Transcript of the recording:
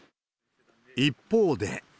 一方で。